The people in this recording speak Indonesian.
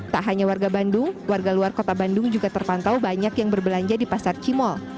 tak hanya warga bandung warga luar kota bandung juga terpantau banyak yang berbelanja di pasar cimol